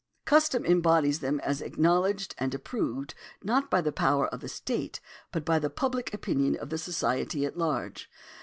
Custom embodies them as acknowledged and approved not by the power of the state, but by the public opinion of the society at large.